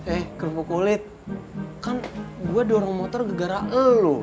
eh kerupuk kulit kan gue dorong motor gara gara lo